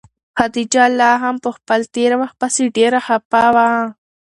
خدیجه لا هم په خپل تېر وخت پسې ډېره خفه وه.